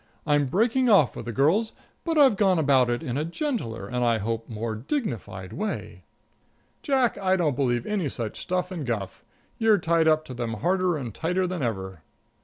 I'm breaking off with the girls, but I've gone about it in a gentler and, I hope, more dignified, way." "Jack, I don't believe any such stuff and guff. You're tied up to them harder and tighter than ever."